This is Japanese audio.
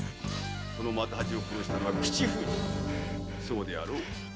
その又八を殺したのは口封じであろう？